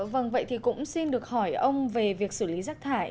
vâng vậy thì cũng xin được hỏi ông về việc xử lý rác thải